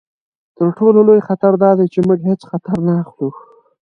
تر ټولو لوی خطر دا دی چې موږ هیڅ خطر نه اخلو.